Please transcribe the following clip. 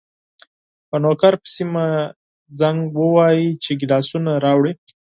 په نوکر پسې مې زنګ وواهه چې ګیلاسونه راوړي.